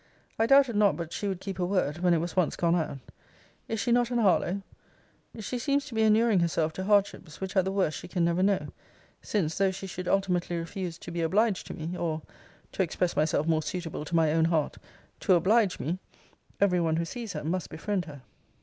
I doubted not but she would keep her word, when it was once gone out. Is she not an Harlowe? She seems to be enuring herself to hardships, which at the worst she can never know; since, though she should ultimately refuse to be obliged to me, or (to express myself more suitable to my own heart,) to oblige me, every one who sees her must befriend her.